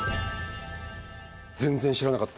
全然知らなかった。